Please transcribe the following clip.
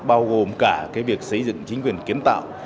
bao gồm cả việc xây dựng chính quyền kiến tạo